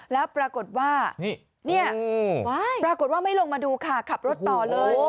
แล้วปรากฏว่าเนี่ยปรากฏว่าไม่ลงมาดูค่ะขับรถต่อเลย